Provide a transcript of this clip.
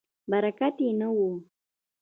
برکت یې نه و.